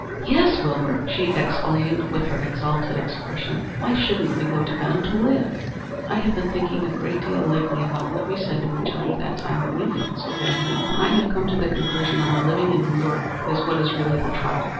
"Yes. Wilbur," she exclaimed, with her exalted expression, "why shouldn't we go to Benham to live? I have been thinking a great deal lately about what we said to each other that time when you felt so badly, and I have come to the conclusion that our living in New York is what is really the trouble.